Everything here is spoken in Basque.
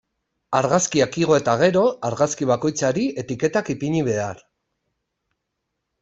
Argazkiak igo eta gero, argazki bakoitzari etiketak ipini behar.